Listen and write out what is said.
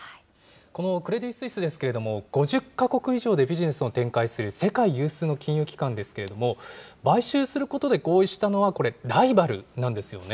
このクレディ・スイスですけれども、５０か国以上でビジネスを展開する世界有数の金融機関ですけれども、買収することで合意したのは、これ、ライバルなんですよね。